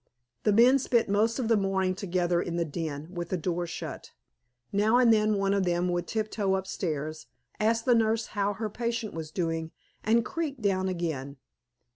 The men spent most of the morning together in the den, with the door shut. Now and then one of them would tiptoe upstairs, ask the nurse how her patient was doing, and creak down again.